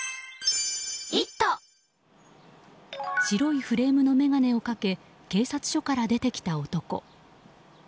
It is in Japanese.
白いフレームの眼鏡をかけ警察署から出てきた男。